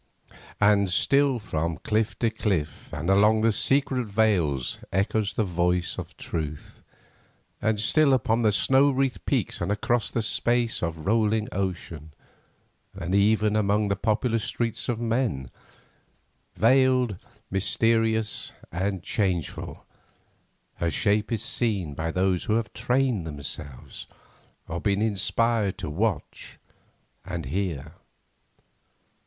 And still from cliff to cliff and along the secret vales echoes the voice of Truth; and still upon the snow wreathed peaks and across the space of rolling ocean, and even among the populous streets of men, veiled, mysterious, and changeful, her shape is seen by those who have trained themselves or been inspired to watch and hear.